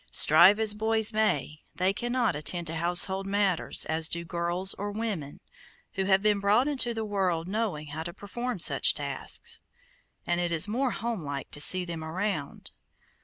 Strive as boys may, they cannot attend to household matters as do girls or women, who have been brought into the world knowing how to perform such tasks, and it is more homelike to see them around.